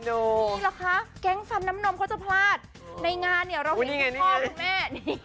นี่แหละคะแก๊งฟันน้ำนมเขาจะพลาดในงานเนี่ยเราเห็นพ่อลูกแม่